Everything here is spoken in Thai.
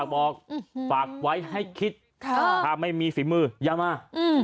แบบไว้ให้คิดไม่มีศีลมือยาม้า